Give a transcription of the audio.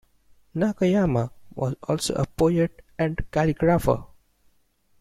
Nakayama was also a poet and calligrapher.